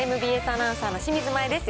ＭＢＳアナウンサーの清水麻椰です。